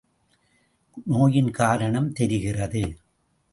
நோயின் காரணமும் தெரிகிறது.